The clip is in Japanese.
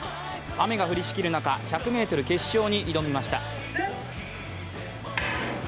雨が降りしきる中、１００ｍ決勝に挑みました。